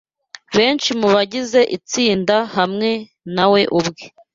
benshi mubagize itsinda hamwe na we ubwe